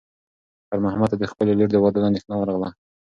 خیر محمد ته د خپلې لور د واده اندېښنه ورغله.